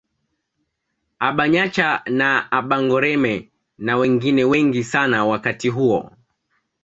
Abanyancha na abangoreme na wengine wengi sana wakati huo